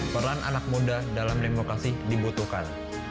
peran anak muda dalam demokrasi dibutuhkan